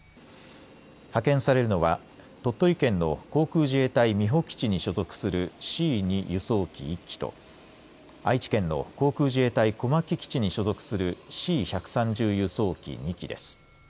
派遣されるのは鳥取県の航空自衛隊美保基地に所属するＣ２輸送機１機と愛知県の航空自衛隊小牧基地に所属するＣ１３０輸送機２機です。